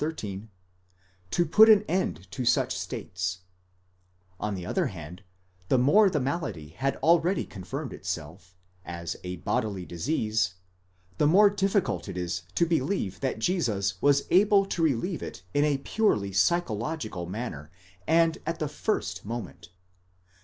13), to put an end to such states: on the other hand, the more the malady had already confirmed itself, as a bodily disease, the more difficult is it to believe that Jesus was able to relieve it in a purely psychological manner and at the first moment.